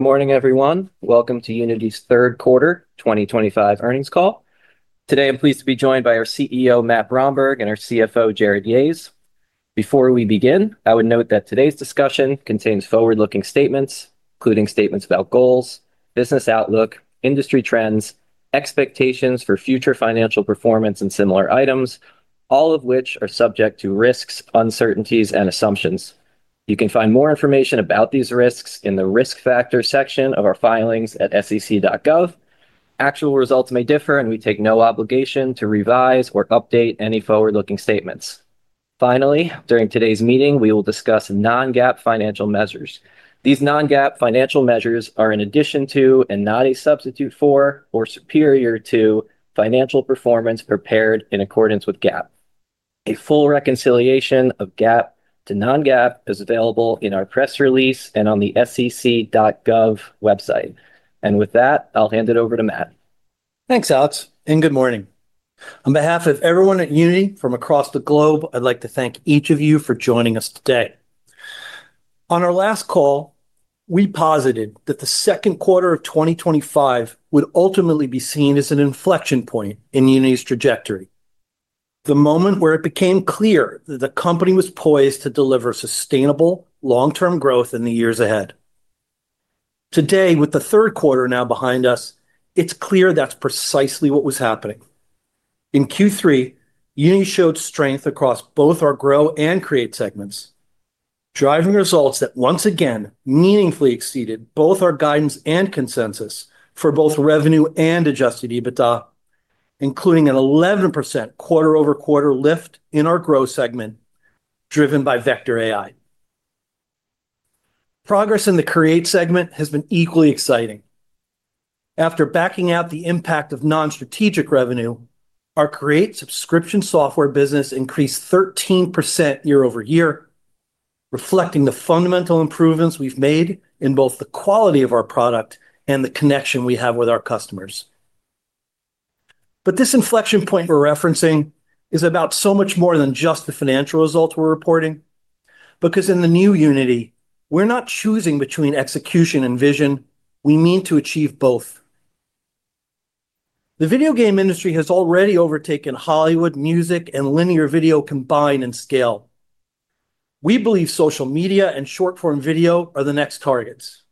Morning everyone. Welcome to Unity's Third Quarter 2025 earnings call. Today I'm pleased to be joined by our CEO Matt Bromberg and our CFO Jarrod Yahes. Before we begin, I would note that today's discussion contains forward looking statements, including statements about goals, business outlook, industry trends, expectations for future financial performance and similar items, all of which are subject to risks, uncertainties and assumptions. You can find more information about these risks in the Risk Factors section of our filings at sec.gov. Actual results may differ and we take no obligation to revise or update any forward-looking statements. Finally, during today's meeting we will discuss non-GAAP financial measures. These non-GAAP financial measures are in addition to and not a substitute for or superior to financial performance or paired in accordance with GAAP. A full reconciliation of GAAP to non-GAAP is available in our press release and on the SEC.gov website and with that I'll hand it over to Matt. Thanks Alex and good morning. On behalf of everyone at Unity from across the globe, I'd like to thank each of you for joining us today. On our last call, we posited that the second quarter of 2025 would ultimately be seen as an inflection point in Unity's trajectory. The moment where it became clear that the company was poised to deliver sustainable long term growth in the years ahead. Today, with the third quarter now behind us, it's clear that's precisely what was happening. In Q3, Uni showed strength across both our Grow and Create segments, driving results that once again meaningfully exceeded both our guidance and consensus from for both revenue and adjusted EBITDA, including an 11% quarter-over-quarter lift in our Grow segment driven by Vector AI. Progress in the Create segment has been equally exciting. After backing out the impact of non-strategic revenue, our Create subscription software business increased 13% year-over-year, reflecting the fundamental improvements we've made in both the quality of our product and the connection we have with our customers. But this inflection point we're referencing is about so much more than just the financial results we're reporting. Because in the new Unity, we're not choosing between execution and vision, we mean to achieve both. The video Game industry has already overtaken hollywood music and linear video combined and scale. We believe social media and short form video are the next targets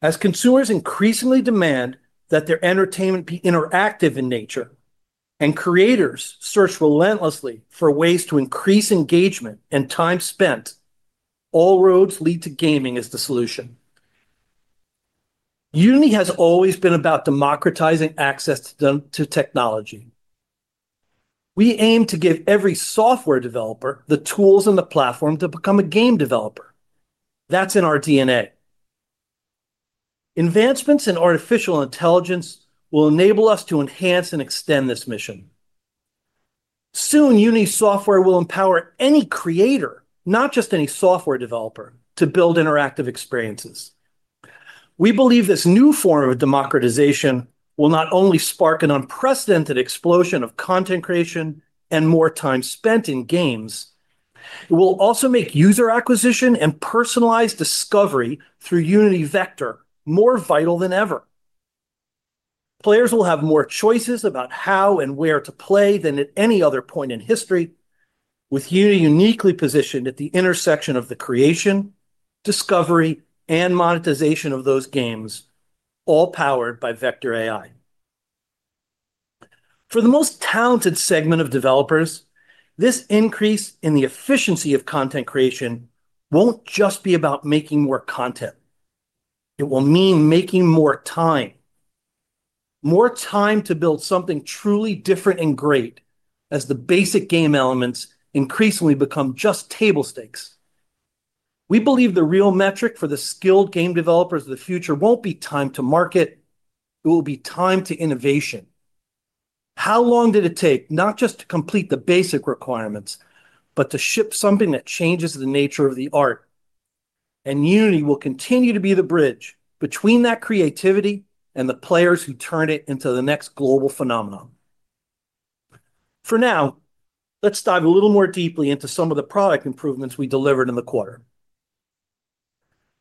as consumers increasingly demand that their entertainment be interactive in nature and creators search relentlessly for ways to increase engagement and time spent. All roads lead to gaming as the solution. Unity has always been about democratizing access to technology. We aim to give every software developer the tools and the platform to become a game developer. That's in our DNA. Advancements in Artificial Intelligence will enable us to enhance and extend this mission. Soon, Uni software will empower any creator, not just any software developer, to build interactive experiences. We believe this new form of democratization will not only spark an unprecedented explosion of content creation and more time spent in games, it will also make user acquisition and personalized discovery through Unity Vector more vital than ever. Players will have more choices about how and where to play than at any other point in history. With Unity uniquely positioned at the intersection of the creation, discovery and monetization of those games, all powered by Vector AI. For the most talented segment of developers, this increase in the efficiency of content creation won't just be about making more content. It will mean making more time, more time to build something truly different and great. As the basic game elements increasingly become just table stakes, we believe the real metric for the skilled game developers of the future won't be time to market, it will be time to innovation. How long did it take not just to complete the basic requirements, but to ship something that changes the nature of the art? And Unity will continue to be the bridge between that creativity and the players who turn it into the next global phenomenon. For now, let's dive a little more deeply into some of the product improvements we delivered in the quarter.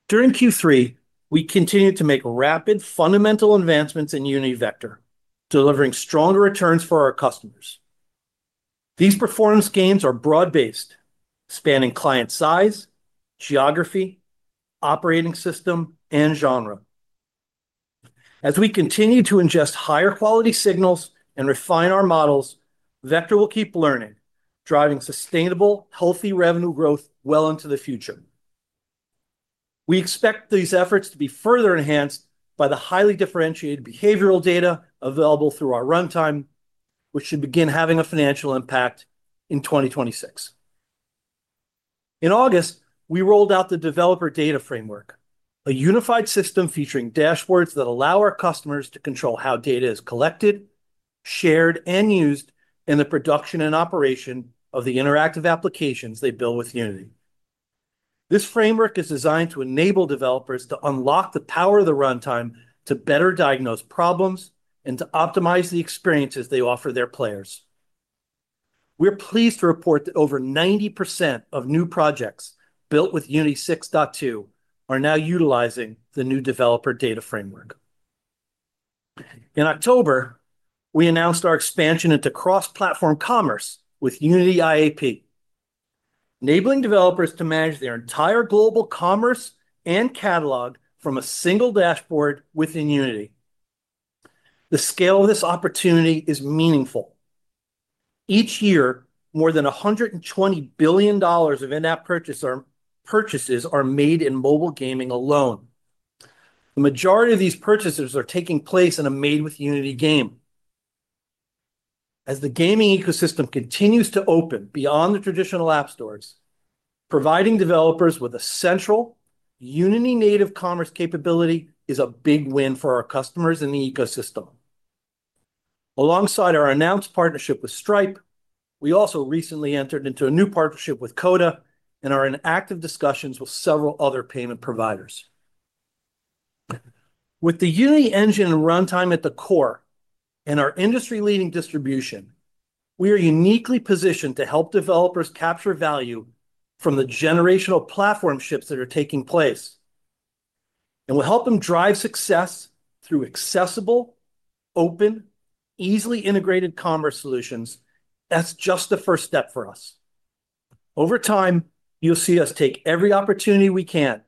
During Q3, we continued to make rapid, fundamental advancements in Unity Vector, delivering stronger returns for our customers. These performance gains are broad based, spanning client size, geography, operating system and genre. As we continue to ingest higher quality signals and refine our models, Vector will keep learning, driving sustainable, healthy revenue growth well into the future. We expect these efforts to be further enhanced by the highly differentiated behavioral data available through our runtime, which should begin having a financial impact in 2026. In August, we rolled out the Developer Data Framework, a unified system featuring dashboards that allow our customers to control how data is collected, shared and used in the production and operation of the interactive applications they build with Unity. This framework is designed to enable developers to unlock the power of the runtime, to better diagnose problems and to optimize the experiences they offer their players. We're pleased to report that over 90% of new projects built Uni6.2 are now utilizing the new Developer Data Framework. In October, we announced our expansion into cross platform commerce with Unity IAP, enabling developers to manage their entire global commerce and catalog from a single dashboard within Unity. The scale of this opportunity is meaningful. Each year, more than $120 billion of in-app purchases are made in mobile gaming alone. The majority of these purchases are taking place in a Made with Unity game. As the gaming ecosystem continues to open beyond the traditional app stores, providing developers with a central Unity native commerce capability is a big win for our customers in the ecosystem. Alongside our announced partnership with Stripe, we also recently entered into a new partnership with Coda and are in active discussions with several other payment providers. With the Unity engine runtime at the core and our industry leading distribution, we are uniquely positioned to help developers capture value from the generational platform ships that are taking place and will help them drive success through accessible, open, easily integrated commerce solutions. That's just the first step for us. Over time you'll see us take every opportunity we can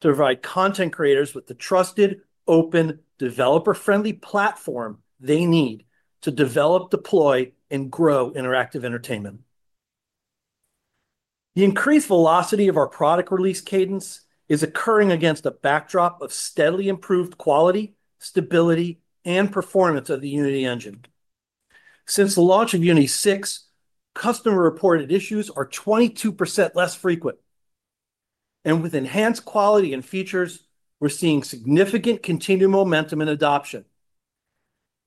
to provide content creators with the trusted, open, developer friendly platform they need to develop, deploy and grow interactive entertainment. The increased velocity of our product release cadence is occurring against a backdrop of steadily improved quality, stability and performance of the Unity engine. Since the launch Uni6, customer reported issues are 22% less frequent and with enhanced quality and features we're seeing significant continued momentum and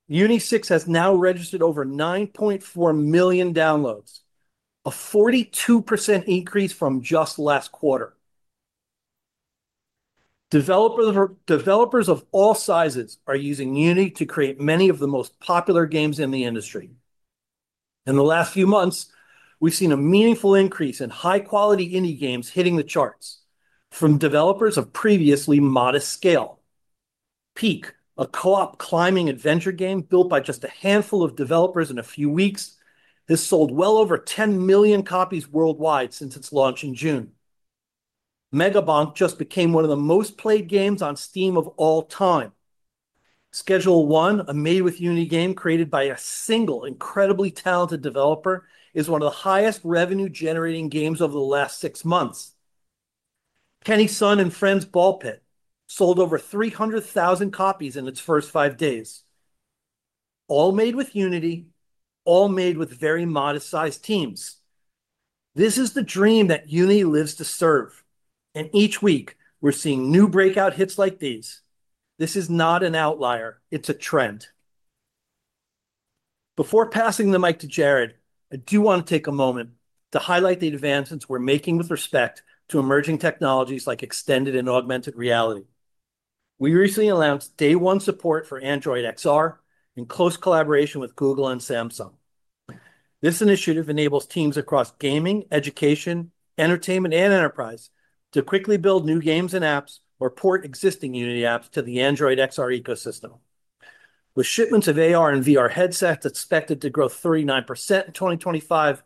Uni6 has now registered over 9.4 million downloads, a 42% increase from just last quarter. Developers of all sizes are using Unity to create many of the most popular games in the industry. In the last few months we've seen a meaningful increase in high quality indie games hitting the charts from developers of previously modest scale. PEAK, a co-op climbing adventure game built by just a handful of developers in a few weeks, has sold well over 10 million copies worldwide since its launch in June. Megabonk just became one of the most played games on Steam of all time. Schedule I a Made with Unity game created by a single incredibly talented developer is one of the highest revenue generating games over the last six months. Kenny Sun and Friends, BALL x PIT sold over 300,000 copies in its first five days. All made with Unity, all made with very modest sized teams. This is the dream that Uni lives to serve and each week we're seeing new breakout hits like these. This is not an outlier, it's a trend. Before passing the mic to Jarrod, I do want to take a moment to highlight the advancements we're making with respect to emerging technologies like extended and augmented reality. We recently announced Day One support for Android XR in close collaboration with Google and Samsung. This initiative enables teams across gaming, education, entertainment and enterprise to quickly build new games and apps or port existing Unity apps to the Android XR ecosystem. With shipments of AR and VR, headsets expected to grow 39% in 2025.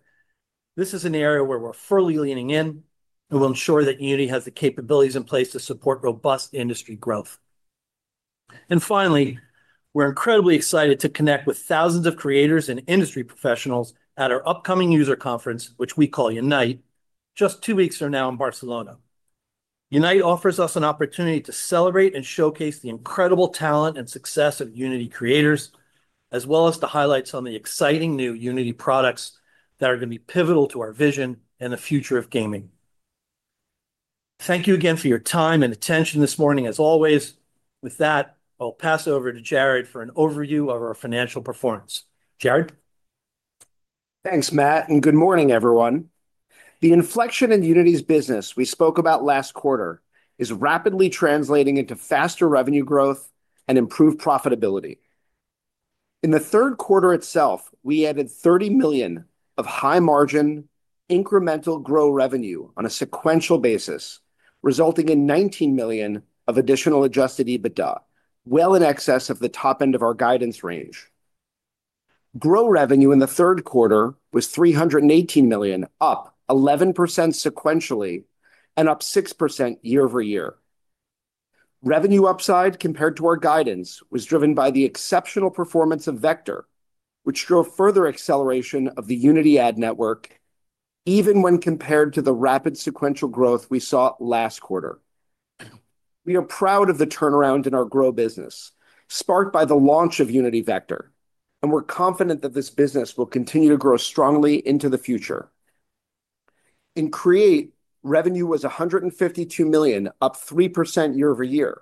This is an area where we're fully leaning in and will ensure that Unity has the capabilities in place to support robust industry growth. And finally, we're incredibly excited to connect with thousands of creators and industry professionals at our upcoming user conference, which we call UNITE, just two weeks from now in Barcelona. UNITE offers us an opportunity to celebrate and showcase the incredible talent and success of Unity creators, as well as the highlights on the exciting new Unity products that are going to be pivotal to our vision and the future of gaming. Thank you again for your time and attention this morning. As always with that, I'll pass over to Jarrod for an overview of our financial performance. Jarrod. thanks Matt and good morning everyone. The inflection in Unity's business we spoke about last quarter is rapidly translating into faster revenue growth and improved profitability. In the third quarter itself we added 30 million of high margin incremental grow revenue on a sequential basis, resulting in 19 million of additional adjusted EBITDA well in excess of the top end of our guidance range. Grow revenue in the third quarter was 318 million, up 11% sequentially and up 6% year-over-year. Revenue upside compared to our guidance was driven by the exceptional performance of Vector, which drove further acceleration of the Unity AD network, even when compared to the rapid sequential growth we saw last quarter. We are proud of the turnaround in our Grow business sparked by the launch of Unity Vector and we're confident that this business will continue to grow strongly into the future. In Create, revenue was 152 million, up 3% year-over-year.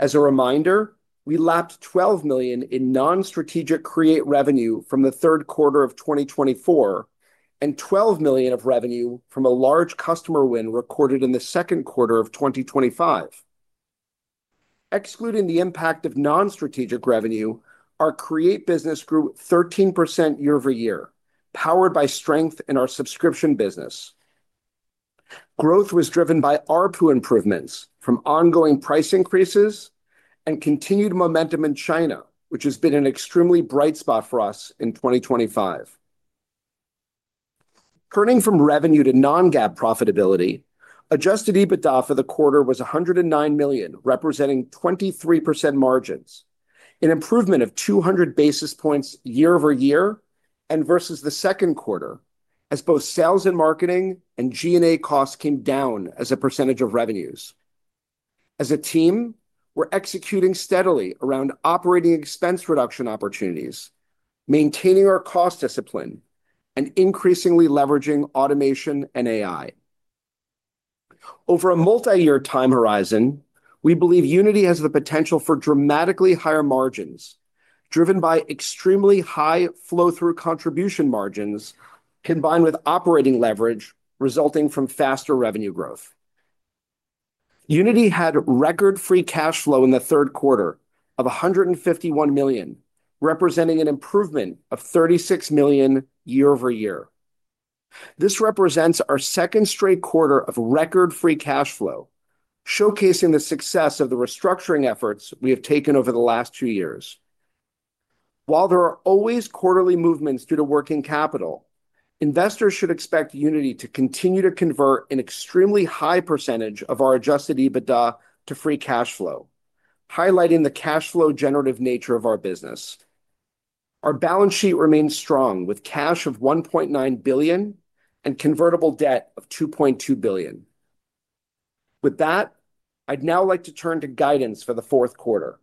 As a reminder, we lapped 12 million in non-strategic create revenue from the third quarter of 2024 and 12 million of revenue from a large customer win recorded in the second quarter of 2025. Excluding the impact of non-strategic revenue, our create business grew 13% year-over-year powered by strength in our subscription business growth was driven by ARPU improvements from ongoing price increases and continued momentum in China, which has been an extremely bright spot for us in 2025. Turning from revenue to non GAAP profitability, adjusted EBITDA for the quarter was 109 million, representing 23% margins, an improvement of 200 basis points year-over-year and versus the second quarter as both sales and marketing and G&A cost came down as a percentage of revenues. As a team, we're executing steadily around operating expense reduction opportunities, maintaining our cost discipline and increasingly leveraging automation and AI. Over a multi-year time horizon. We believe Unity has the potential for dramatically higher margins driven by extremely high flow through contribution margins combined with operating leverage resulting from faster revenue growth. Unity had record free cash flow in the third quarter of 151 million, representing an improvement of 36 million year-over-year. This represents our second straight quarter of record free cash flow, showcasing the success of the restructuring efforts we have taken over the last two years. While there are always quarterly movements due to working capital, investors should expect Unity to continue to convert an extremely high percentage of our adjusted EBITDA to free cash flow, highlighting the cash flow generative nature of our business. Our balance sheet remains strong with cash of 1.9 billion and convertible debt of 2.2 billion. With that, I'd now like to turn to guidance. For the fourth quarter,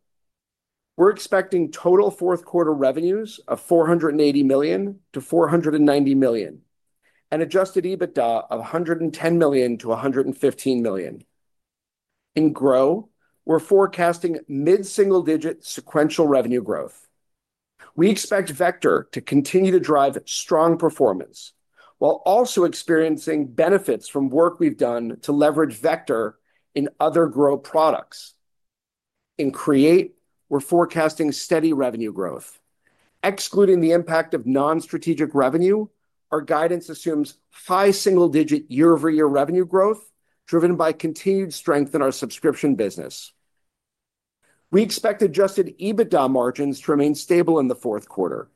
we're expecting total fourth quarter revenues of 480 million-490 million, an adjusted EBITDA of 110 million-115 million. In Grow, we're forecasting mid single digit sequential revenue growth. We expect Vector to continue to drive strong performance while also experiencing benefits from work we've done to leverage Vector in other grow products. In Create, we're forecasting steady revenue growth excluding the impact of non-strategic revenue. Our guidance assumes full high single digit year-over-year revenue growth driven by continued strength in our subscription business. We expect adjusted EBITDA margins to remain stable in the fourth quarter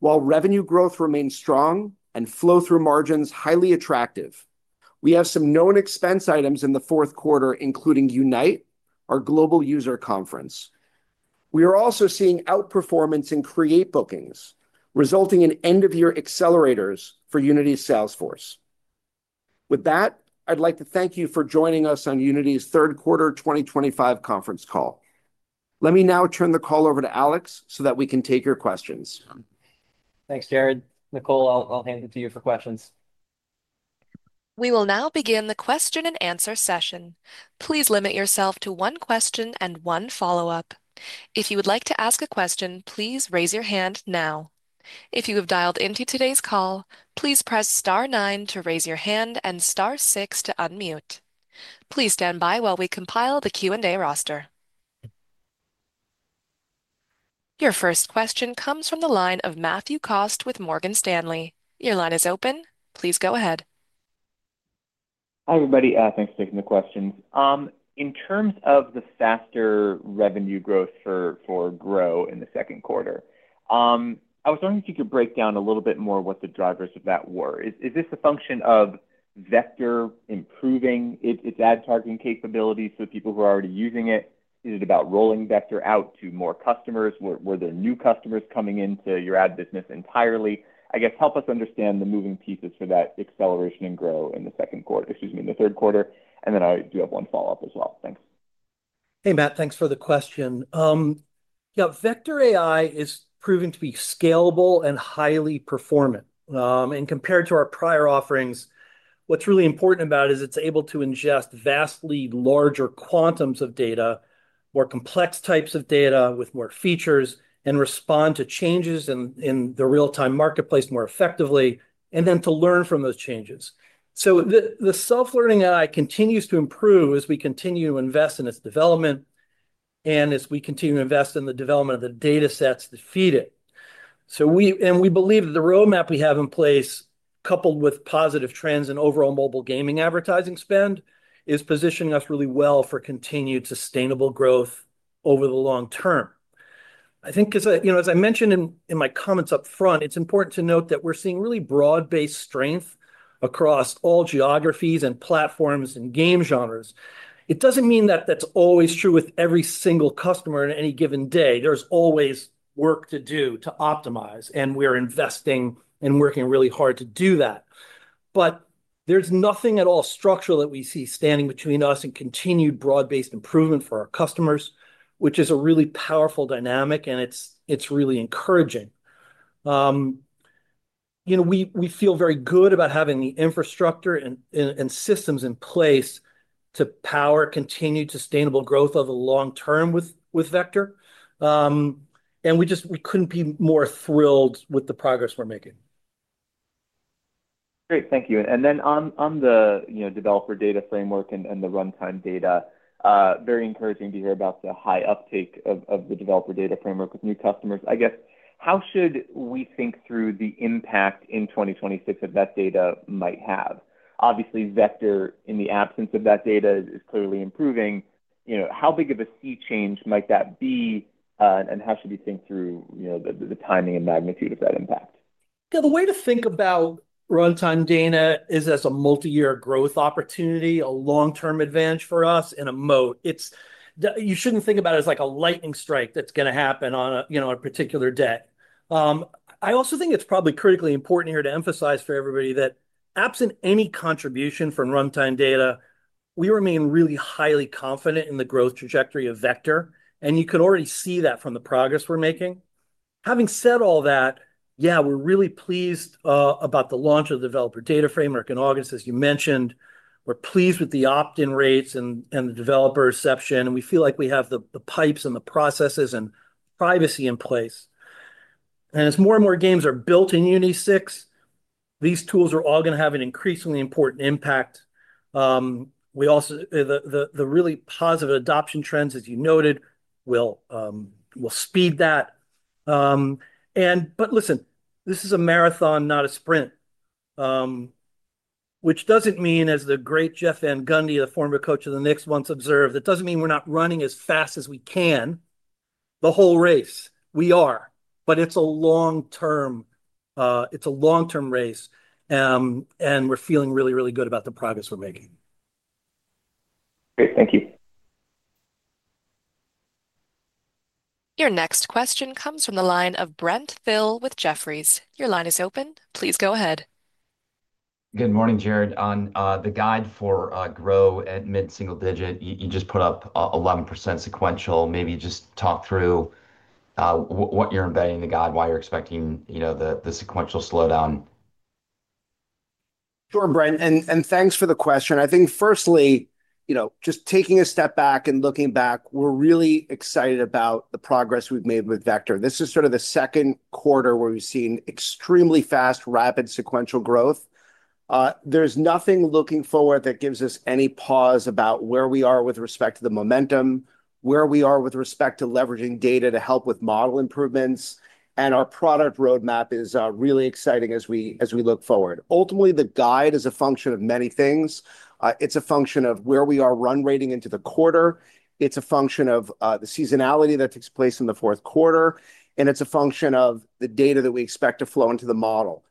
while revenue growth remains strong and flow through margins highly attractive. We have some known expense items in the fourth quarter, including unite, our global user conference. We are also seeing outperformance in Create bookings resulting in end of year accelerators for Unity Salesforce. With that, I'd like to thank you for joining us on Unity's Third Quarter 2025 conference call. Let me now turn the call over to Alex so that we can take your questions. Thanks, Jarrod. Nicole, I'll hand it to you for questions. We will now begin the question and answer session. Please limit yourself to one question and one follow up. If you would like to ask a question, please raise your hand now. If you have dialed into today's call, please press star nine to raise your hand and star six to unmute. Please stand by while we compile the Q and A roster. Your first question comes from the line of Matthew Cost with Morgan Stanley. Your line is open. Please go ahead. Hi everybody. Thanks for taking the questions. In terms of the faster revenue growth for grow in the second quarter, I was wondering if you could break down a little bit more what the drivers of that were. Is this a function of Vector improving its ad targeting capabilities for people who are already using it. Is it about rolling Vector out to more customers? Were there new customers coming into your ad business entirely? I guess help us understand the moving pieces for that acceleration and grow in the second quarter. Excuse me, in the third quarter and. And then I do have one follow up as well. Thanks. Hey Matt, thanks for the question. Vector AI is proving to be scalable and highly performant and compared to our prior offerings, what's really important about is it's able to ingest vastly larger quantums of data, more complex types of data with more features and respond to changes in the real time marketplace more effectively and then to learn from those changes. So the self learning AI continues to improve as we continue to invest in its development and as we continue to invest in the development of the data sets that feed it. So we, and we believe the roadmap we have in place, coupled with positive trends in overall mobile gaming advertising spend is positioning us really well for continued sustainable growth over the long term. I think as I mentioned in my comments up front, it's important to note that we're seeing really broad based strength across all geographies and platforms and game genres. It doesn't mean that that's always true with every single customer in any given day. There's always work to do to optimize and we're investing and working really hard to do that. But there's nothing at all structural that we see standing between us and continued broad based improvement for our customers, which is a really powerful dynamic and it's really encouraging. We feel very good about having the infrastructure and systems in place to power continued sustainable growth over long term with Vector and we couldn't be more thrilled with the progress we're making. Great, thank you. And then on the Developer Data Framework and the runtime data, very encouraging to hear about the high uptake of the Developer Data Framework with new customers. I guess. How should we think through the impact in 2026 that that data might have? Obviously Vector, in the absence of that data is clearly improving. You know, how big of a sea change might that be and how should we think through, you know, the timing and magnitude of that impact? The way to think about runtime data is as a multi-year growth opportunity, a long term advantage for us in a moat. It's you shouldn't about it as like a lightning strike that's going to happen on, you know, a particular day. I also think it's probably critically important here to emphasize for everybody that absent any contribution from runtime data, we remain really highly confident in the growth trajectory of Vector. And you could already see that from the progress we're making. Having said all that, yeah, we're really pleased about the launch of the Developer Data Framework in August. As you mentioned, we're pleased with the opt in rates and, and the developer reception and we feel like we have the, the pipes and the processes and privacy in place. And as more and more games are built Uni6, these tools are all going to have an increasingly important impact. We also, the really positive adoption trends, as you noted, will speed that. But listen, this is a marathon, not a sprint, which doesn't mean, as the great Jeff Van Gundy, the former coach of the Knicks once observed, it doesn't mean we're not running as fast as we can the whole race. We are, but it's a long term, it's a long term race and we're feeling really, really good about the progress we're making. Great, thank you. Your next question comes from the line of Brent Thill with Jefferies. Your line is open. Please go ahead. Good morning, Jarrod. On the guide for grow at mid single digit, you just put up 11% sequential. Maybe just talk through what you're embedding the guide, why you're expecting the sequential slowdown. Sure, Brent, and thanks for the question. I think firstly, just taking a step back and looking back, we're really excited about the progress we've made with Vector. This is the second quarter where we've seen extremely fast, rapid sequential growth. There's nothing looking forward that gives us any pause about where we are with respect to the momentum, where we are with respect to leveraging data to help with model improvements. And our product roadmap is really exciting as we, as we look forward. Ultimately, the guide is a function of many things. It's a function of where we are run rating into the quarter, it's a function of the seasonality that takes place in the fourth quarter and it's a function of the data that we expect to flow into the model.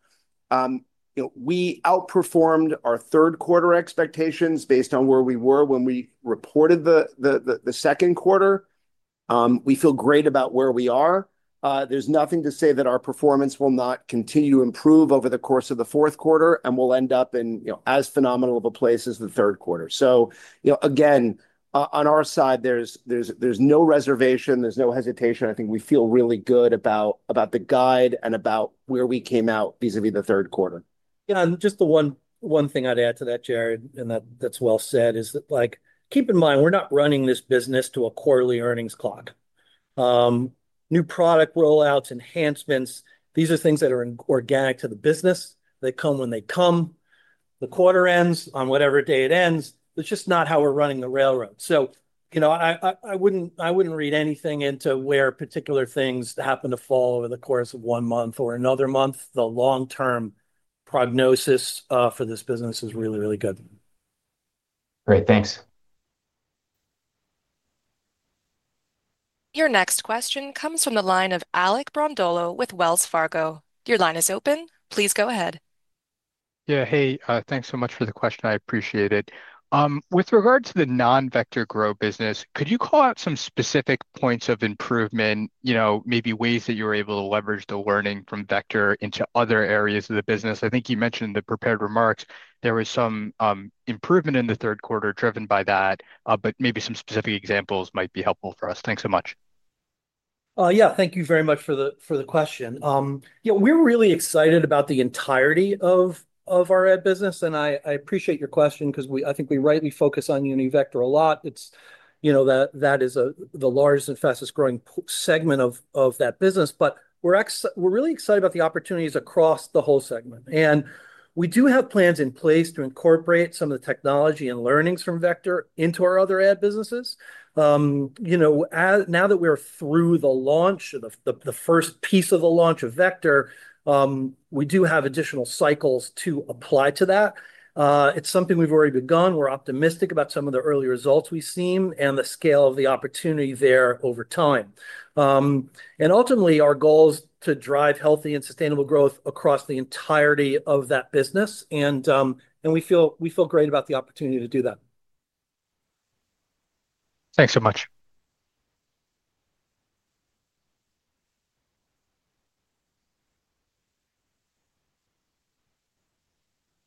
We outperformed our third quarter expectations based on where we were when we reported the, the, the, the second quarter. We feel great about where we are. There's nothing to say that our performance will not continue to improve over the course of the fourth quarter and we'll end up in, you know, as phenomenal of a place as the third quarter. So, you know, again, on our side there's, there's, there's no reservation, there's no hesitation. I think we feel really good about, about the guide and about where we came out vis-a-vis the third quarter. Yeah, just the one, one thing I'd add to that, Jarrod, and that, that's well said, is that like, keep in mind we're not running this business to a quarterly earnings clock. New product rollouts, enhancements, these are things that are organic to the business. They come when they come. The quarter ends on whatever day it ends. That's just not how we're running the railroad. So, you know, I wouldn't, I wouldn't read anything into where particular things happen to fall over the course of one month or another month. The long term prognosis for this business is really, really good. Great, thanks. Your next question comes from the line of Alec Brondolo with Wells Fargo. Your line is open. Please go ahead. Yeah, hey, thanks so much for the question. I appreciate it. With regard to the non Vector grow business, could you call out some specific points of improvement, you know, maybe ways that you were able to leverage the learning from Vector into other areas of the business? I think you mentioned in the prepared remark there was some improvement in the third quarter driven by that, but maybe some specific examples might be helpful for us. Thanks so much. Yeah, thank you very much for the, for the question. Yeah, we're really excited about the entirety of, of our ad business and I appreciate your question because we, I think we rightly focus on Unit Vector a lot. It's, you know, that that is the largest and fastest growing segment of, of that business. But we're, we're really excited about the opportunities across the whole segment and we do have plans in place to incorporate some of the technology and learnings from Vector into our other ad businesses. You know, now that we're through the launch, the first piece of the launch of Vector, we do have additional cycles to apply to that. It's something we've already begun. We're optimistic about some of the early results we've seen and the scale of the opportunity there over time and ultimately our goals to drive healthy and sustainable growth across the entirety of that business. And we feel great about the opportunity to do that. Thanks so much.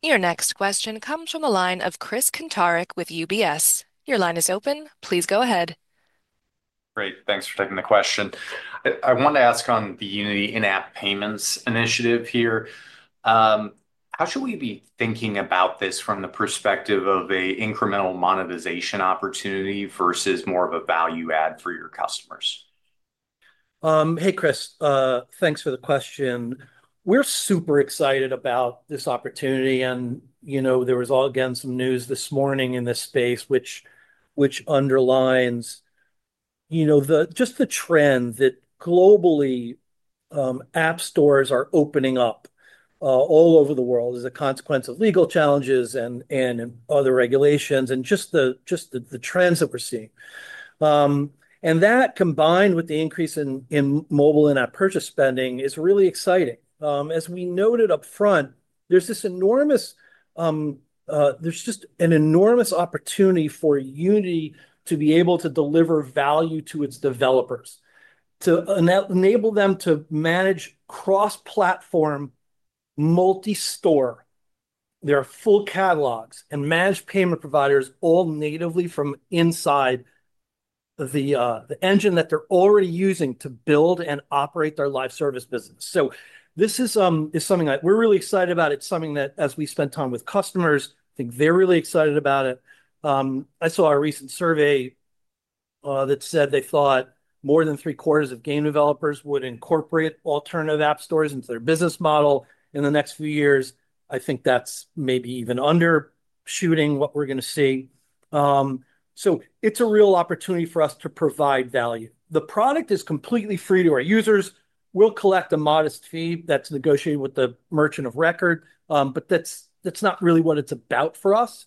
Your next question comes from a line of Chris Kuntarich with UBS. Your line is open. Please go ahead. Great. Thanks for taking the question I want. To ask on the Unity In-app payments initiative here. How should we be thinking about this from the perspective of a incremental monetization opportunity versus more of a value add for your customers? Hey Chris, thanks for the question. We're super excited about this opportunity and there was again some news this morning in this space which which underlines just the trend that globally app stores are opening up all over the world as a consequence of legal challenges and other regulations and just the trends that we're seeing and that combined with the increase in mobile in-app purchase spending is really exciting. As we noted up front, there's this enormous, there's just an enormous opportunity for Unity to be able to deliver value to its developers to enable them to manage cross platform multi store. There are full catalogs and managed payment providers all natively from inside the engine that they're already using to build and operate their live service business. So this is something that we're really excited about. It's something that as we spent time with customers I think they're really excited about it. I saw a recent survey that said they thought more than three quarters of game developers would incorporate alternative app stores into their business model in the next few years. I think that's maybe even under shooting what we're going to see. So it's a real opportunity for us to provide value. The product is completely free to our users. We'll collect a modest fee that's negotiated with the merchant of record. But that's, that's not really what it's about for us.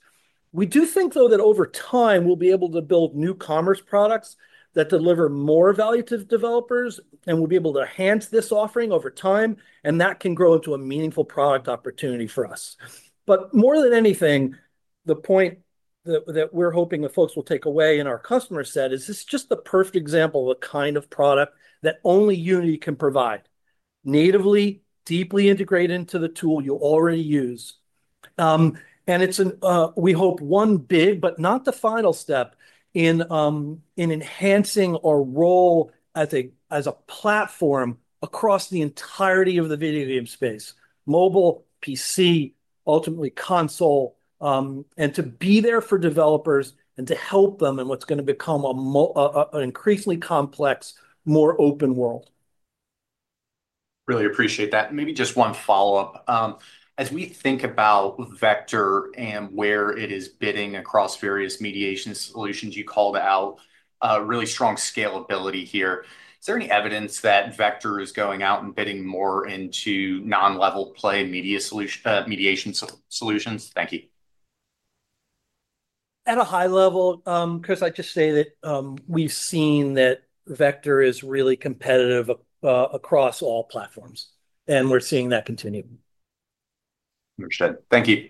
We do think though that over time we'll be able to build new commerce products that deliver more value to developers and we'll be able to enhance this offering over time and that can grow into a meaningful product opportunity for us. But more than anything the point that, that we're hoping the folks will take away in our customer set is this just the perfect example of a kind of product that only Unity can provide natively deeply integrated into the tool you already use. And it's an we hope one big but not the final step in, in enhancing our role as a, as a platform across the entirety of the video game space, mobile, PC, ultimately console and to be there for developers and to help them in what's going to become an increasingly complex, more open world. Really appreciate that. Maybe just one follow up. As we think about Vector and where it is bidding across various mediation solutions, you called out really strong scalability here. Is there any evidence that Vector is going out and bidding more into non-level play media solution mediation solutions? Thank you. At a high level, Chris, I just say that we've seen that Vector is really competitive across all platforms and we're seeing that continue. Understood, thank you.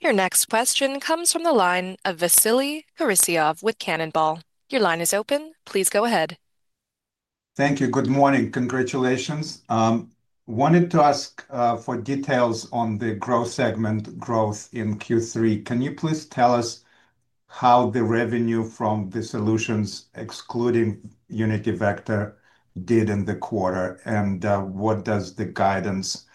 Your next question comes from the line of Vasily Karasyov with Cannonball. Your line is open. Please go ahead. Thank you. Good morning. Congratulations. Wanted to Ask for details on the Growth segment growth in Q3. Can you please tell us how the revenue from the solutions, excluding Unity Vector, did in the quarter? And what does the guidance,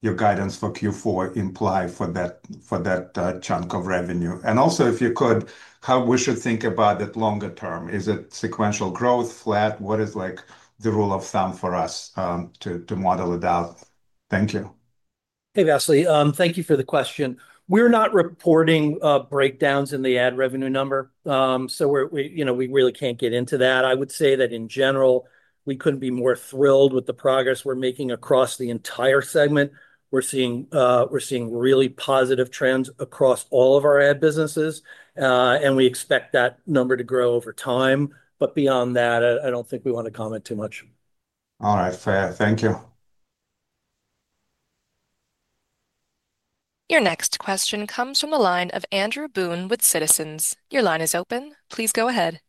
Your guidance for Q4 imply for that, for that chunk of revenue? And also if you could, how we should think about that longer term? Is it sequential growth flat? What is like the rule of thumb for us to model it out? Thank you. Hey, Vasily, thank you for the question. We're not reporting breakdowns in the Ad Revenue number, so we really can't get into that. I would say that in general, we couldn't be more thrilled with the progress we're making across the entire segment. We're seeing really positive trends across all of our ad businesses and we expect that number to grow over time. But beyond that, I don't think we want to comment too much. All right, fair. Thank you. Your next question comes from the line of Andrew Boone with Citizens. Your line is open. Please go ahead.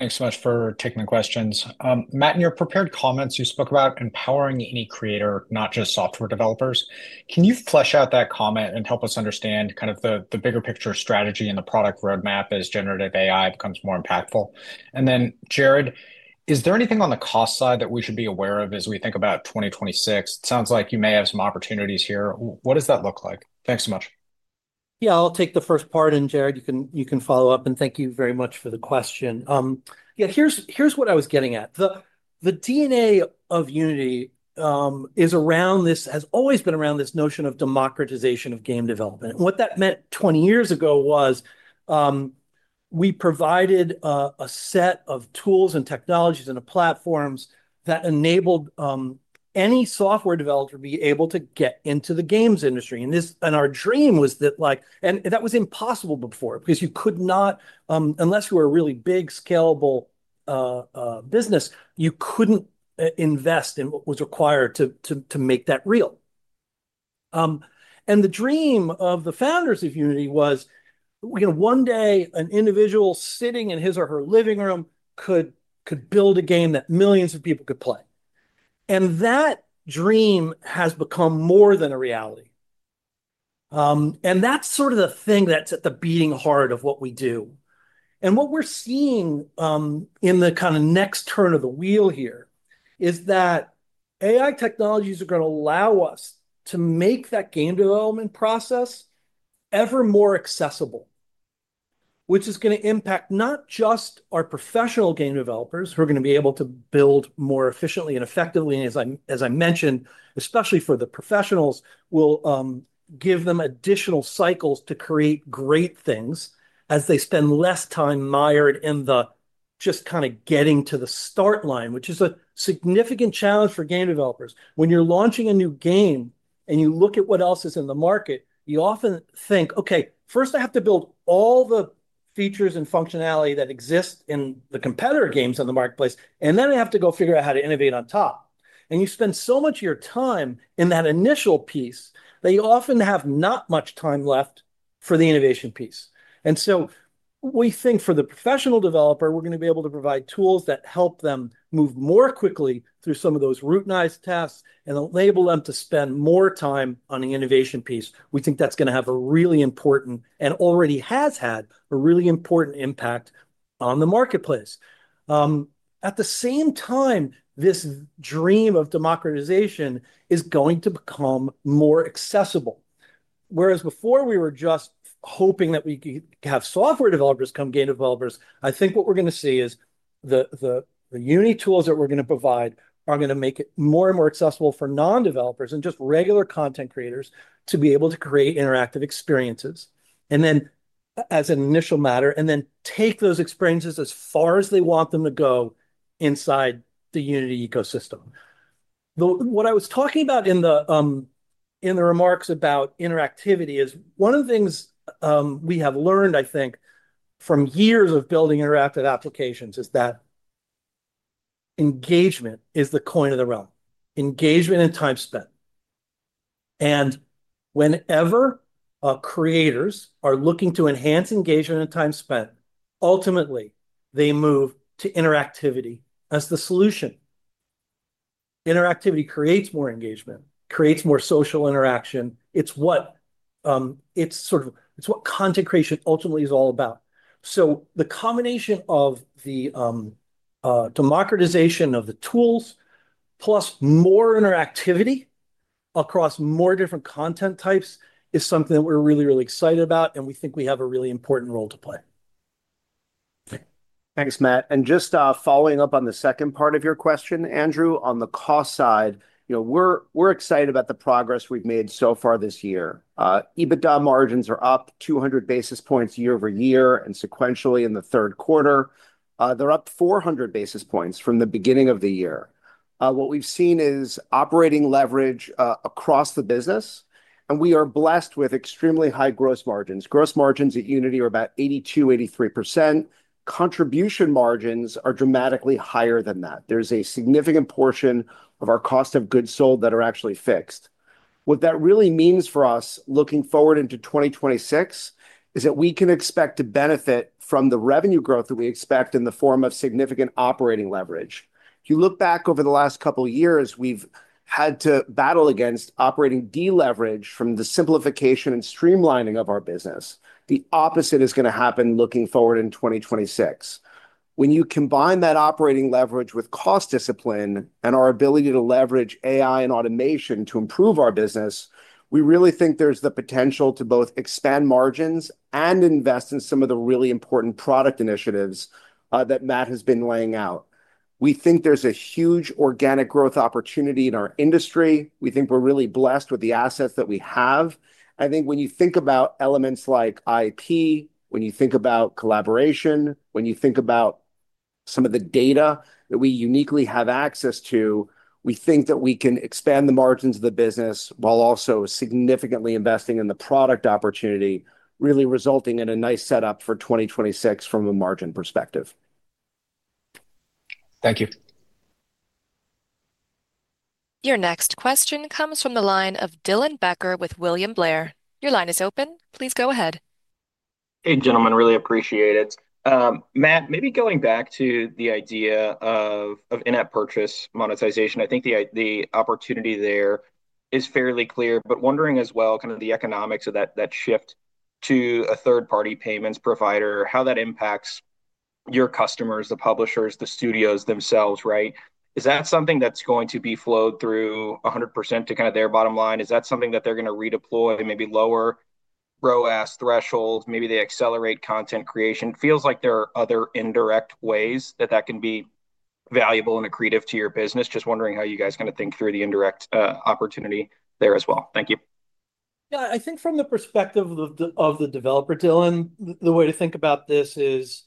Thanks so much for taking the questions. Matt, in your prepared comments, you spoke about empowering any creator, not just software developers. Can you flesh out that comment and help us understand kind of the bigger picture strategy and the product roadmap as generative AI becomes more impactful? And then, Jarrod, is there anything on the cost side that we should be aware of? As we think about 2026, it sounds like you may have some opportunities here. What does that look like? Thanks so much. Yeah, I'll take the first part and Jarrod, you can follow up. And thank you very much for the question. Here's what I was getting at. The DNA of Unity has always been around this notion of democratization of game development. What that meant 20 years ago was we provided a set of tools and technologies and platforms that enabled any software developer be able to get into the games industry. And this. And our dream was that like. And that was impossible before because you could not, unless you were a really big scalable business, you couldn't invest in what was required to make that real. And the dream of the founders of Unity was one day an individual sitting in his or her living room could build a game that millions of people could play. That dream has become more than a reality. That's the thing that's at the beating heart of what we do. What we're seeing in the next turn of the wheel here is that AI technologies are going to allow us to make that game development process ever more accessible, which is going to impact not just our professional game developers, who are going to be able to build more efficiently and effectively as I mentioned especially for the professionals will give them additional cycles to create great things as they spend less time mired in the just kind of getting to the start line, which is a significant challenge for game developers. When you're launching a new game and you look at what else is in the market, you often think, okay, first I have to build all the features and functionality that exist in the competitor games on the marketplace and then I have to go figure out how to innovate on top. And you spend so much of your time in that initial piece that you often have not much time left for the innovation piece. And so we think for the professional developer we're going to be able to provide tools that help them move more quickly through some of those routinized tasks and enable them to spend more time on the innovation piece. We think that's going to have a really important and already has had a really important impact on the marketplace. At the same time, this dream of democratization is going to become more accessible. Whereas before we were just hoping that we could have software developers come game developers. I think what we're going to see is the Uni tools that we're going to provide are going to make it more and more accessible for non developers and just regular content creators to be able to create interactive experiences as an initial matter and then take those experiences as far as they want them to go inside the Unity ecosystem. What I was talking about in the remarks about interactivity is one of the things we have learned, I think, from years of building interactive applications is that engagement is the coin of the realm. Engagement and time spent. And whenever creators are looking to enhance engagement and time spent, ultimately they move to interactivity as the solution. Interactivity creates more engagement, creates more social interaction. It's what it's sort of, it's what content creation ultimately is all about. So the combination of the democratization of the tools plus more interactivity across more different content types is something that we're really, really excited about and we think we have a really important role to play. Thanks, Matt. And just following up on the second part of your question, Andrew, on the cost side, we're excited about the progress we've made so far this year. EBITDA margins are up 200 basis points year-over-year and sequentially in the third quarter, they're up 400 basis points from the beginning of the year. What we've seen is operating leverage across the business and we are blessed with extremely high gross margins. Gross margins at Unity are about 82, 83% contribution margins are dramatically higher than that. There's a significant portion of our cost of goods sold that are actually fixed. What that really means for us looking forward into 2026 is that we can expect to benefit from the revenue growth that we expect in the form of significant operating leverage. You look back over the last couple years, we've had to battle against operating deleverage from the simplification and streamlining of our business. The opposite is going to happen looking forward in 2026. When you combine that operating leverage with cost discipline and our ability to leverage AI and automation to improve our business. We really think there's the potential to both expand margins and invest in some of the really important product initiatives that Matt has been laying out. We think there's a huge organic growth opportunity in our industry. We think we're really blessed with the assets that we have. I think when you think about elements like IP, when you think about collaboration, when you think about some of the data that we uniquely have access to, we think that we can expand the margins of the business while also significantly investing in the product opportunity, really resulting in a nice setup for 2026 from a margin perspective. Thank you. Your next question comes from the line of Dylan Becker with William Blair. Your line is open. Please go ahead. Hey gentlemen. Really appreciate it, Matt. Maybe going back to the idea of in-app purchase monetization, I think the opportunity there is fairly clear but wondering as well, kind of the economics of that shift to a third party payments provider, how that impacts your customers, the publishers, the studios themselves. Right. Is that something that's going to be flowed through 100% to kind of their bottom line? Is that something that they're going to redeploy? Maybe lower ROAS thresholds, maybe they accelerate content creation. Feels like there are other indirect ways that, that can be valuable and accretive to your business. Just wondering how you guys kind of think through the indirect opportunity there as well. Thank you. Yeah, I think from the perspective of the developer, Dylan, the way to think about this is,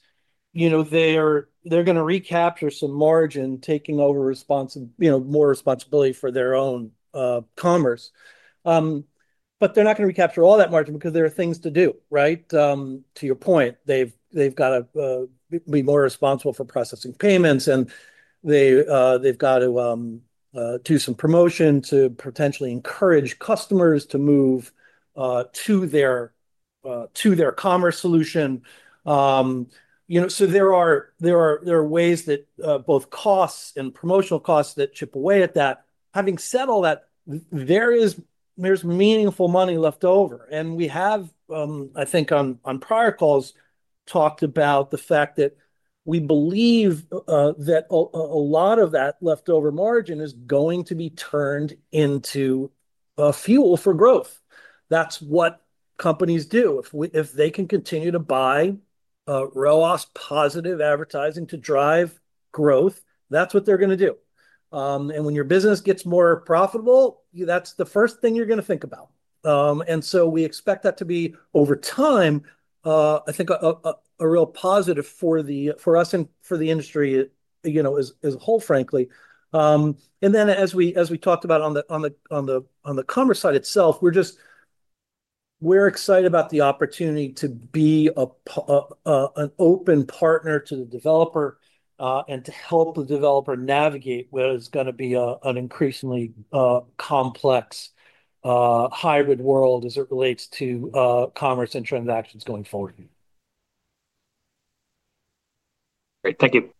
you know, they are, they're going to recapture some margin, taking over responsive, you know, more responsibility for their own commerce, but they're not going to recapture all that margin because there are things to do. Right. To your point, they've, they've got to be more responsible for processing payments and they, they've got to do some promotion to potentially encourage customers to move to their, to their commerce solution. You know, so there are, there are, there are ways that both costs and promotional costs that chip away at that. Having said all that there is, there's meaningful money left over. And we have, I think on, on prior calls talked about the fact that we believe that a lot of that leftover margin is going to be turned into fuel for growth. That's what companies do. If we, if they can continue to buy ROAS, positive advertising to drive growth, that's what they're going to do. And when your business gets more profitable, that's the first thing you're going to think about. And so we expect that to be over time, I think, a real positive for the, for us and for the industry, you know, as a whole, frankly. And then as we, as we talked about on the commerce side itself, we're just, we're excited about the opportunity to be a, an open partner to the developer and to help the developer navigate what is going to be an increasingly complex hybrid world as it relates to commerce and transactions going forward. Great, thank you.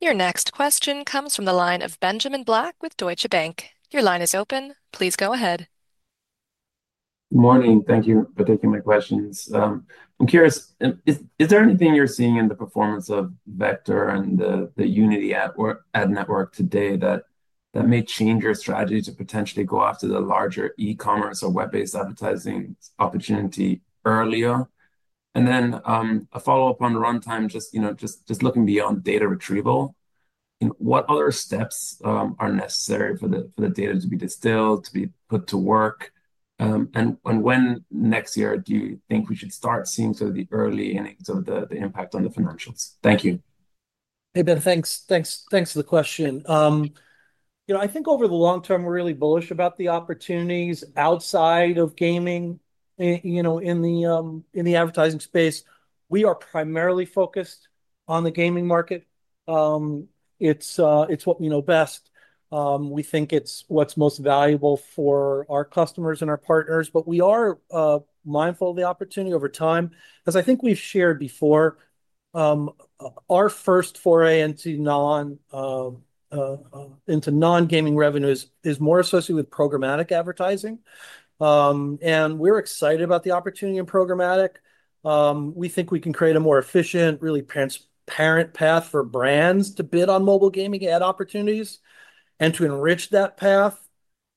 Your next question comes from the line of Benjamin Black with Deutsche Bank. Your line is open. Please go ahead. Morning. Thank you for taking my questions. I'm curious, is there anything you're seeing in the performance of Vector and the Unity Ad network today that may change your strategy to potentially go after the larger e-commerce or web based advertising opportunity earlier and then a follow up on the runtime? Just, you know, just, just looking beyond data retrieval, you know, what other steps are necessary for the, for the data to be distilled, to be put to work and when next year do you think we should start seeing sort of the early innings of the impact on the financials? Thank you. Hey Ben, thanks, thanks. Thanks for the question. You know, I think over the long term we're really bullish about the opportunities outside of gaming. You know, in the, in the advertising space we are primarily focused on the gaming market. It's, it's what we know best. We think it's what's most valuable for our customers and our partners. But we are mindful of the opportunity over time. As I think we've shared before, our first foray into non, into non gaming revenues is more associated with programmatic advertising and we're excited about the opportunity. In programmatic we think we can create a more efficient, really transparent path for brands to bid on mobile gaming ad opportunities and to enrich that path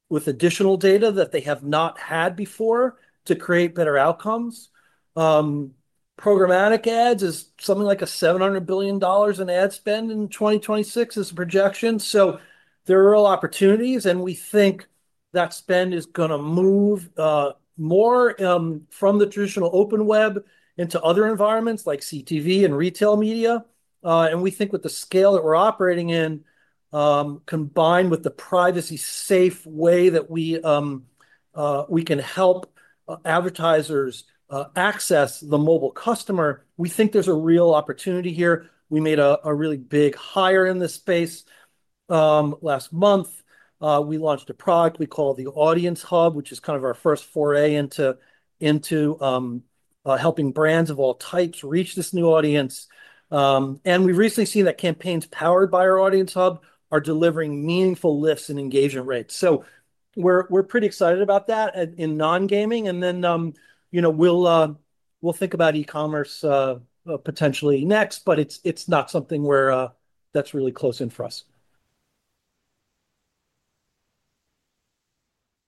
with additional data that they have not had before to create better outcomes. Programmatic ads is something like a $700 billion in ad spend in 2026 as a projection. So there are real opportunities and we think that spend is going to move more from the Traditional open web into other environments like CTV and retail media. And we think with the scale that we're operating in combined with the privacy safe way that we can help advertisers access the mobile customer. We think there's a real opportunity here. We made a really big hire in this space last month we launched a product we call the Audience Hub which is kind of our first foray into, into helping brands of all types reach this new audience. And we've recently seen that campaigns powered by our Audience Hub are delivering meaningful lifts and engagement rates. So we're pretty excited about that in non gaming and then you know we'll, we'll think about e-commerce potentially next. But it's, it's not something where that's really close in for us.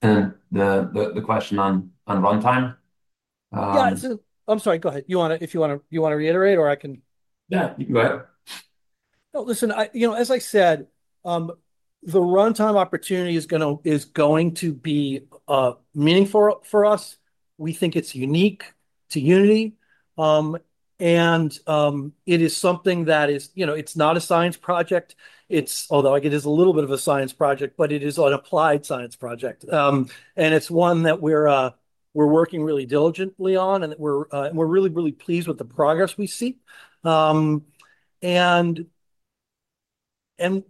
and the the question on, on runtime. Yeah, I'm sorry, go ahead. You want to. If you want to, you want to reiterate or I can. Yeah, you can go ahead. No, listen, I, you know as I said the runtime opportunity is going to, is going to be meaningful for us. We think it's unique to Unity and it is something that is, you know, it's not a science project. It's although it is a little bit of a science project but it is an applied science project and it's one that we're, we're working really diligently on and we're, we're really, really pleased with the progress we see and, and, and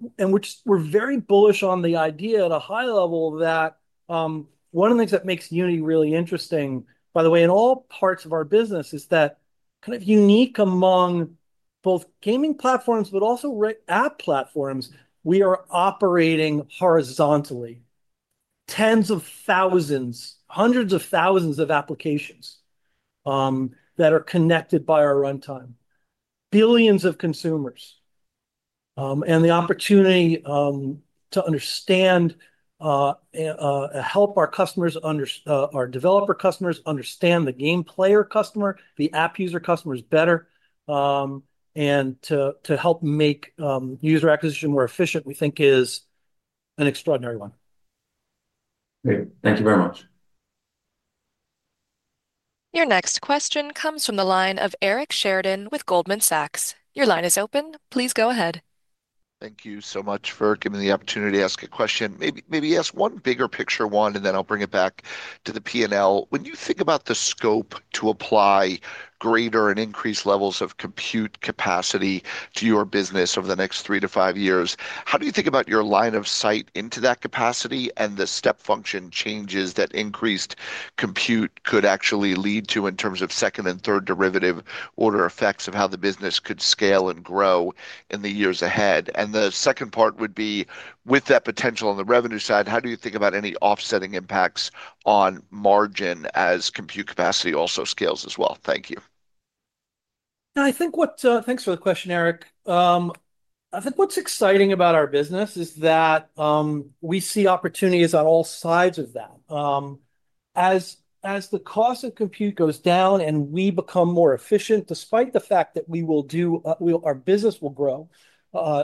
we're very bullish on the idea at a high level that one of the things that makes Unity really interesting by the way in all parts of our business is that kind of unique among both gaming platforms but also app platforms we are operating horizontally tens of thousands, hundreds of thousands of applications that are connected by our runtime, billions of consumers and the opportunity to understand, help our customers under our developer customers understand the game player customer, the app user customers better and to help make user acquisition more efficient we think is an extraordinary one. Thank you very much. Your next question comes from the line of Eric Sheridan with Goldman Sachs. Your line is open. Please go ahead. Thank you so much for giving me the opportunity to ask a question. Maybe maybe ask one bigger picture one and then I'll bring it back to the P&L. When you think about the scope to apply greater and increased levels of compute capacity to your business over the next three to five years, how do you think about your line of sight into that capacity and the step function changes that increased compute could actually lead to in terms of second and third derivative order effects of how the business could scale and grow in the years ahead. And the second part would be with that potential on the revenue side, how do you think about any offsetting impacts on margin as compute capacity also scales as well? Thank you. I think what, thanks for the question, Eric. I think what's exciting about our business is that we see opportunities on all sides of that. As, as the cost of compute goes down and we become more efficient, despite the fact that we will do our business will grow,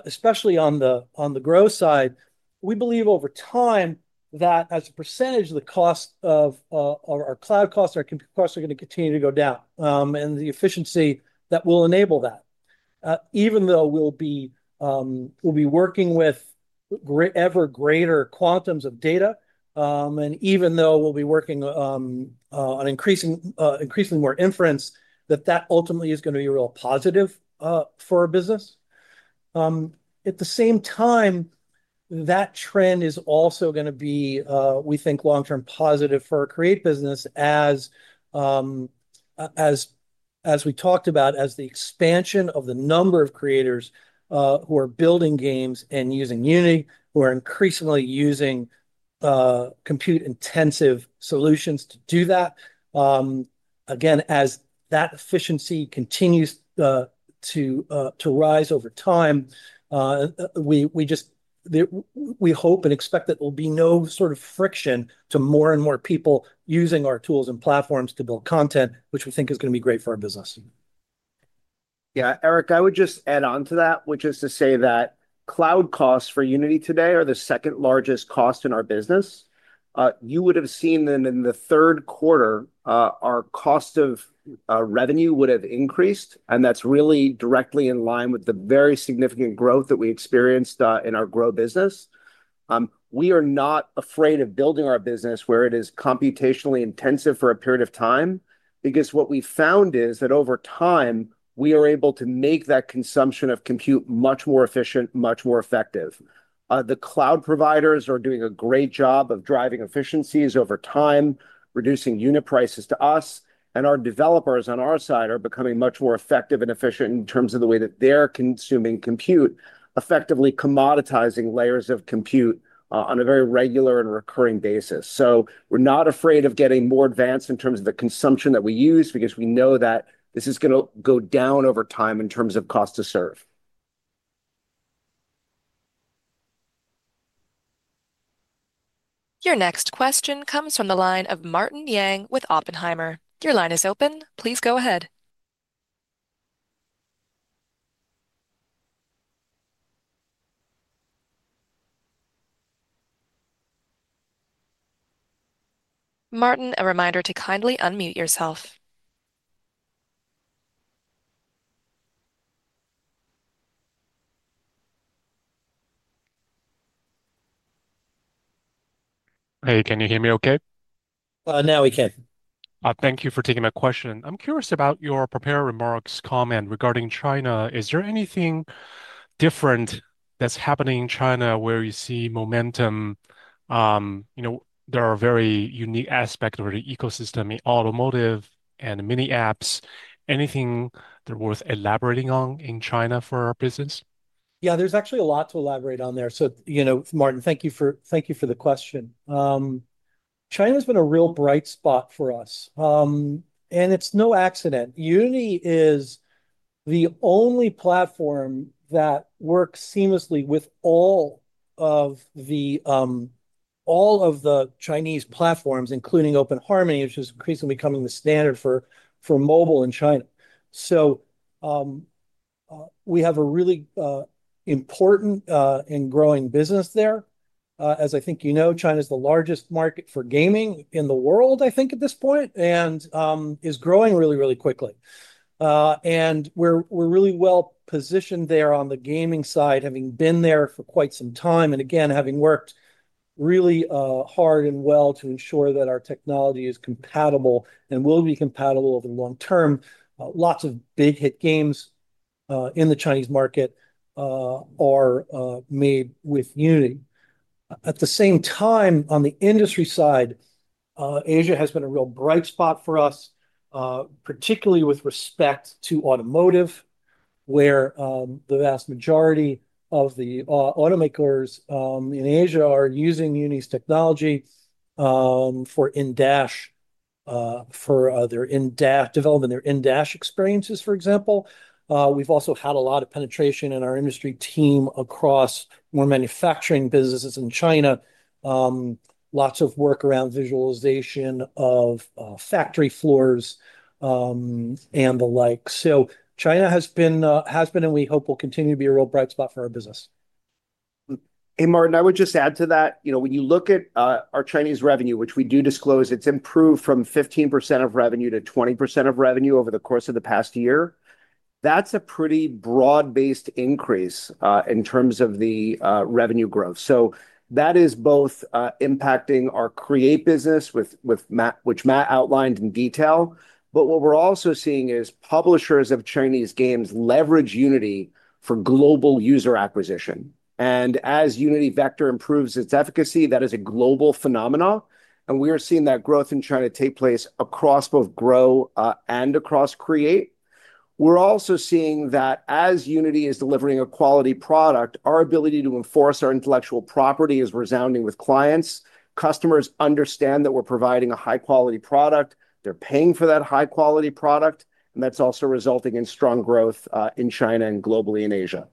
especially on the on the grow side, we believe over time that as a percentage the cost of our cloud costs, our costs are going to continue to go down and the efficiency that will enable that. Even though we'll be, we'll be working with ever greater quantums of data and even though we'll be working on increasing increasingly more inference that that ultimately is going to be a real positive for a business, at the same time, that trend is also going to be, we think, long term positive for a Create business. As, as, as we talked about as the expansion of the number of creators who are building games and using Unity, who are increasingly using compute intensive solutions to do that again, as that efficiency continues to, to rise over time, we, we just, we hope and expect that there'll be no sort of friction to more and more people using our tools and platforms to build content, which we think is going to be great for our business. Yeah, Eric, I would just add on to that, which is to say that cloud costs for Unity today are the second largest cost in our business. You would have seen that in the third quarter our cost of revenue would have increased and that's really directly in line with the very significant growth that we experienced in our grow business. We are not afraid of building our business where it is computationally intensive for a period of time. Because what we found is that over time we are able to make that consumption of compute much more efficient, much more effective. The cloud providers are doing a great job of driving efficiencies over time, reducing unit prices to us. And our developers on our side are becoming much more effective and efficient in terms of the way that they're consuming compute, effectively commoditizing layers of compute on a very regular and recurring basis. So we're not afraid of getting more advanced in terms of the consumption that we use because we know that this is going to go down over time in terms of cost to serve. Your next question comes from the line of Martin Yang with Oppenheimer. Your line is open. Please go ahead, Martin. A reminder to kindly unmute yourself. Hey, can you hear me okay? now we can. Thank you for taking my question. I'm curious about your prepared remarks comment regarding China. Is there anything different that's happening in China where you see momentum? You know, there are very unique aspects of the ecosystem in automotive and mini apps. Anything they're worth elaborating on in China for our business? Yeah, there's actually a lot to elaborate on there. So, you know, Martin, thank you for, thank you for the question. China's been a real bright spot for us and it's no accident. Unity is the only platform that works seamlessly with all of the, all of the Chinese platforms, including Open Harmony, which is increasingly becoming the standard for, for mobile in China. So we have a really important and growing business there. As I think you know, China is the largest market for gaming in the world I think at this point, and is growing really, really quickly. And we're, we're really well positioned, positioned there on the gaming side, having been there for quite some time and again having worked really hard and well to ensure that our technology is compatible and will be compatible over the long term. Lots of big hit games in the Chinese market are made with Unity. At the same time, on the industry side, Asia has been a real bright spot for us, particularly with respect to automotive, where the vast majority of the automakers in Asia are using Uni's technology for in-Dash for their in-dash, developing their in-dash experiences. For example, we've also had a lot of penetration in our industry team across more manufacturing businesses in China. Lots of work around visualization of factory floors and the like. So China has been, has been and we hope will continue to be a real bright spot for our business. Hey Martin, I would just add to that, you know, when you look at our Chinese revenue which we do disclose, it's improved from 15% of revenue to 20% of revenue over the course of the past year. That's a pretty broad based increase in terms of the revenue growth. So that is both impacting our Create business, which Matt outlined in detail. But what we're also seeing is publishers of Chinese games leverage Unity for global user acquisition and as Unity Vector improves its efficacy, that is a global phenomenon. And we are seeing that growth in China take place across both Grow and across create. We're also seeing that as Unity is delivering a quality product, our ability to enforce our intellectual property is resounding with clients. Customers understand that we're providing a high quality product, they're paying for that high quality product and that's also resulting in strong growth in China and Globally, in Asia.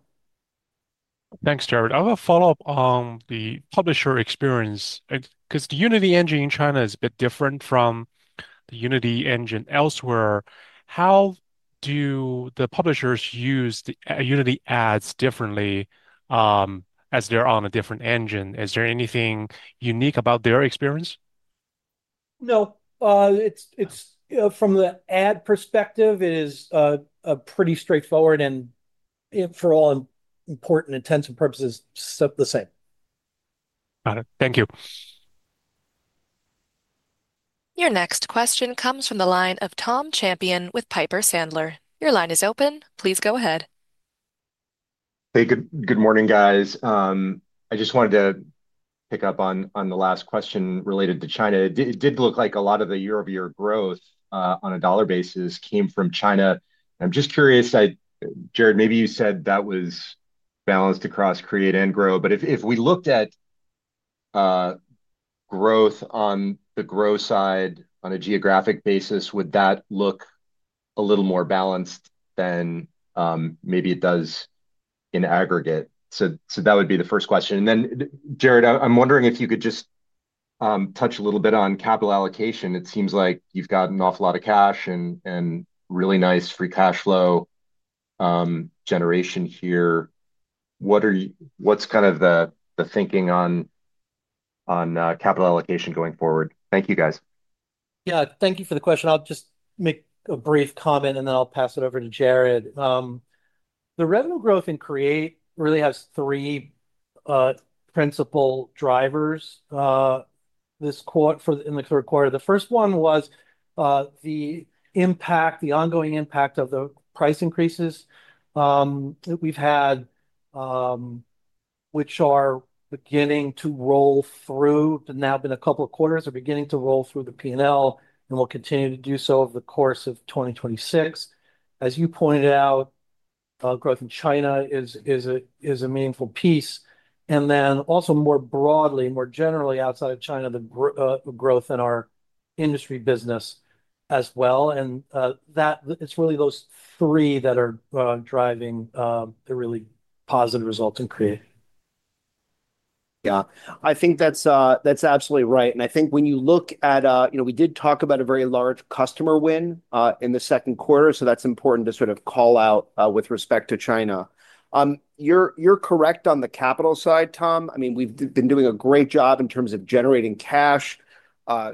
Thanks, Jarrod. I have a follow up on the publisher experience because the Unity engine in China is a bit different from the Unity engine elsewhere. How do the publishers use the Unity ads differently as they're on a different engine? Is there anything unique about their experience? No, it's, it's from the ad perspective, it is pretty straightforward and for all important intents and purposes, the same. Got it. Thank you. Your next question comes from the line of Tom Champion with Piper Sandler. Your line is open. Please go ahead. Hey, good. Good morning guys. I just wanted to pick up on, on the last question related to China, it did look like a lot of the year-over-year growth on a dollar basis came from China. I'm just curious, Jarrod, maybe you said that was balanced across Create and Grow, but if, if we looked at growth on the Grow side on a geographic basis, would that look a little more balanced than maybe it does in aggregate? So, so that would be the first question. And then Jarrod, I'm wondering if you could just touch a little bit on capital allocation. It seems like you've got an awful lot of cash and really nice free cash flow generation here. What are you, what's kind of the thinking on, on capital allocation going forward? Thank you guys. Yeah, thank you for the question. I'll just make a brief comment and then I'll pass it over to Jarrod. The revenue growth in create really has three principal drivers. This quote for in the third quarter. The first one was the impact, the ongoing impact of the price increases that we've had which are beginning to roll through now. Been a couple of quarters are beginning to roll through the P& L and we'll continue to do so over the course of 2026. As you pointed out, growth in China is, is a, is a meaningful piece. And then also more broadly, more generally outside of China, the growth in our industry, business as well. And that it's really those three, three that are driving the really positive results in Korea. Yeah, I think that's, that's absolutely right. And I think when you look at, you know, we did talk about a very large customer win in the second quarter. So that's important to sort of call out with respect to China. You're, you're correct on the capital side, Tom. I mean, we've been doing a great job in terms of generating cash.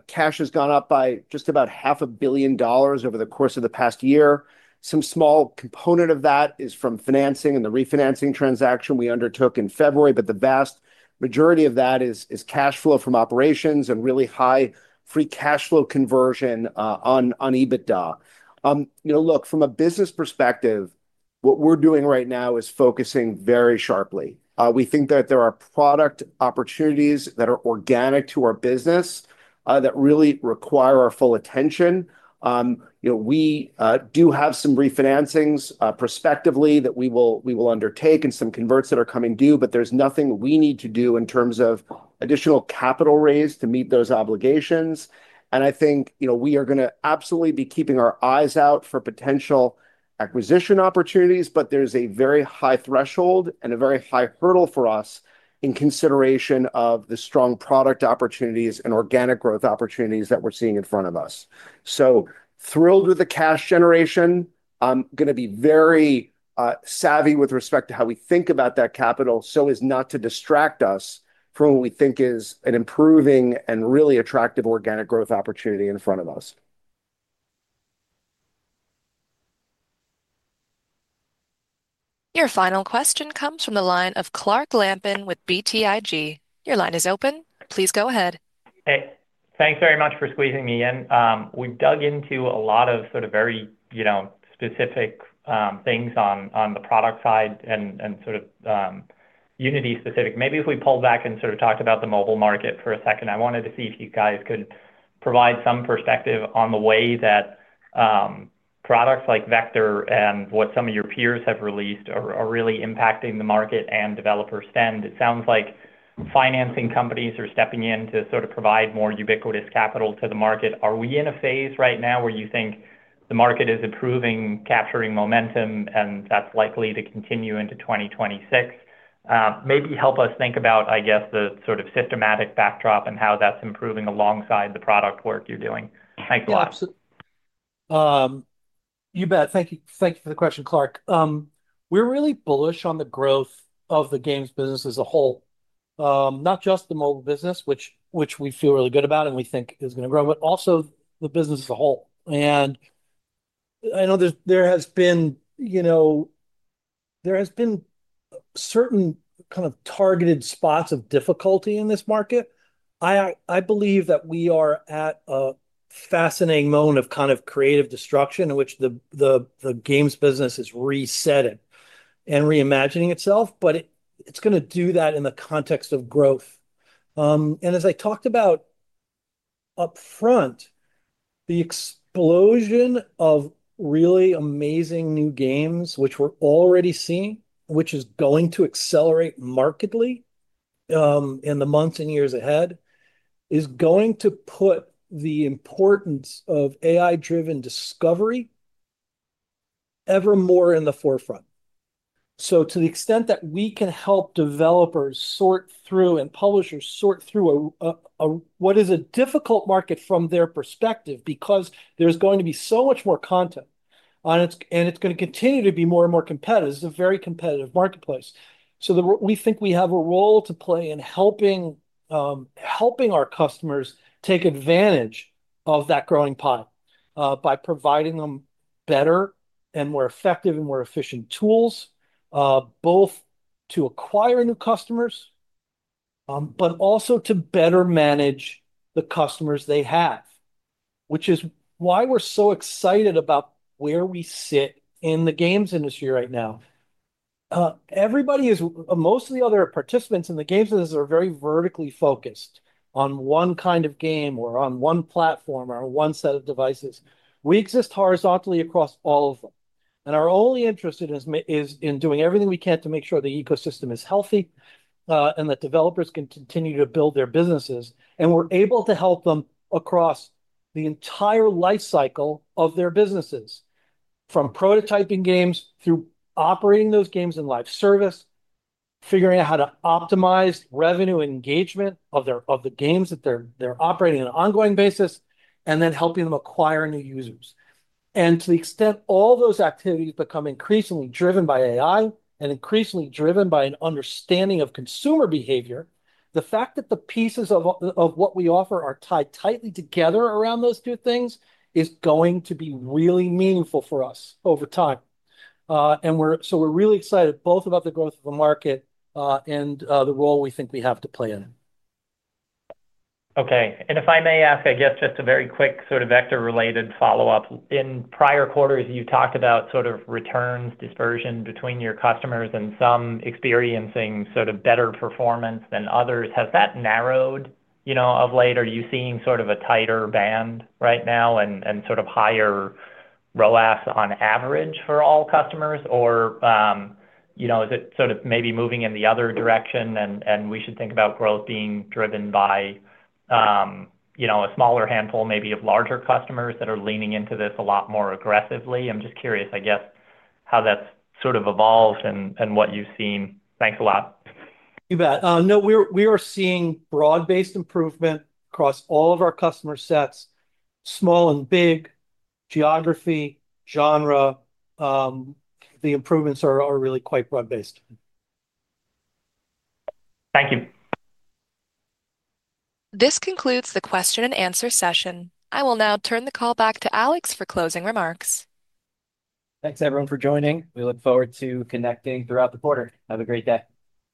Cash has gone up by just about half a billion dollars over the course of the past year. Some small component of that is from financing and the refinancing transaction we undertook in February. But the vast majority of that is cash flow from operations and really high free cash flow conversion on EBITDA. Look, from a business perspective, what we're doing right now is focusing very sharply. We think that there are product opportunities that are organic to our business that really require our full attention. You know, we do have some refinancings prospectively that we will, we will undertake and some converts that are coming due, but there's nothing we need to do in terms of additional capital raised to meet those obligations. And I think, you know, we are going to absolutely be keeping our eyes out for potential acquisition opportunities. But there's a very high threshold and a very high hurdle for us in consideration of the strong product opportunities and organic growth opportunities that we're seeing in front of us. So thrilled with the cash generation. Going to be very savvy with respect to how we think about that capital so as not to distract us from what we think is an improving and really attractive organic growth opportunity in front of us. Your final question comes from the line of Clark Lampen with btig. Your line is open. Please go ahead. Thanks very much for squeezing me in. We've dug into a lot of sort of very specific things on the product side and sort of unity specific. Maybe if we pull back and sort of talked about the mobile market for a second, I wanted to see if you guys could provide some perspective on the way that products like Vector and what some of your peers have released are really impacting the market and developer stand. It sounds like financing companies are stepping in to sort of provide more ubiquitous capital to the market. Are we in a phase right now where you think the market is improving, capturing momentum and that's likely to continue into 2026? Maybe help us think about, I guess, the sort of systematic backdrop and how that's improving alongside the product work you're doing. Thanks a lot. You bet. Thank you. Thank you for the question, Clark. We're really bullish on the growth of the games business as a whole. Not just the mobile business, which, which we feel really good about and we think is going to grow, but also the business as a whole. And I know there, there has been, you know, there has been certain kind of targeted spots of difficulty in this market. I, I believe that we are at a fascinating moment of kind of creative destruction in which the games business is resetting and reimagining itself. But it's going to do that in the context of growth and as I talked about up front, the explosion of really amazing new games which we're already seeing, which is going to accelerate markedly in the months and years ahead is going to put the importance of AI driven discovery ever more in the forefront. So to the extent that we can help developers sort through and publishers sort through what is a difficult market from their perspective, because there's going to be so much more content and it's going to continue to be more and more competitive, it's a very competitive marketplace. So we think we have a role to play in helping helping our customers take advantage of that growing pot by providing them better and more effective and more efficient tools both to acquire new customers, but also to better manage the customers they have. Which is why we're so excited about where we sit in the games industry right now. Everybody is. Most of the other participants in the games are very vertically focused on one kind of game or on one platform or one set of devices. We exist horizontally across all of them and our only interest is in doing everything we can to make sure the ecosystem is healthy and that developers can continue to build their businesses and we're able to help them across the entire life cycle of their businesses from prototyping games through operating those games in live service, figuring out how to optimize revenue engagement of the games that they're operating on an ongoing basis and then helping them acquire new users. And to the extent all those activities become increasingly driven by AI and increasingly driven by an understanding of consumer behavior, the fact that the pieces of what we offer are tied tightly together around those two things is going to be really meaningful for us over time. So we're really excited both about the growth of the market and the role we think we have to play in it. Okay, and if I may ask, I guess just a very quick sort of Vector related follow up. In prior quarters you talked about sort of returns dispersion between your customers and some experiencing sort of better performance than others. Has that narrowed of late? Are you seeing sort of a tighter band right now and sort of higher ROAS on average for all customers? Or is it sort of maybe moving in the other direction and we should think about growth being driven by a smaller handful, maybe of larger customers that are leaning into this a lot more aggressively. I'm just curious, I guess, how that's sort of evolved and what you've seen. Thanks a lot. You bet. No, we are seeing broad based improvement across all of our customer sets. Small and big geography genre. The improvements are really quite broad based. Thank you. This concludes the question and answer session. I will now turn the call back to Alex for closing remarks. Thanks everyone for joining. We look forward to connecting throughout the quarter. Have a great day.